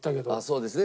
そうですね